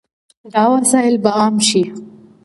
دا وسایل به عام شي.